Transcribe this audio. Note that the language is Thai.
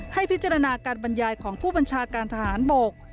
ให้พิจารณาการบรรยายของผู้บัญชาการทหารบก